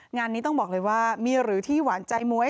งานนี้ต้องบอกเลยว่ามีหรือที่หวานใจม้วย